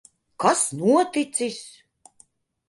Kas noticis?